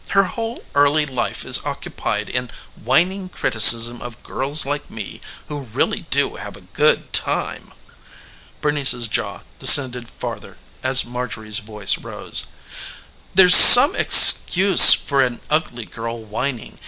"Her whole early life is occupied in whining criticisms of girls like me who really do have a good time." Bernice's jaw descended farther as Marjorie's voice rose. "There's some excuse for an ugly girl whining.